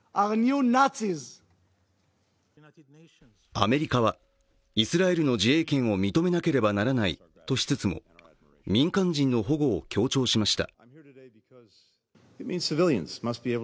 アメリカは、イスラエルの自衛権を認めなければならないとしつつも民間人の保護を強調しました。